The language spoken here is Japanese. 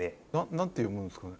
何て読むんですかね？